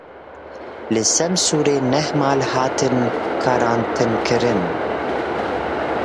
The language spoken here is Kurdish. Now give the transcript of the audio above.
Li Semsûrê neh mal hatin karantînekirin.